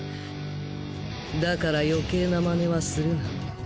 だから余計なマネはするな。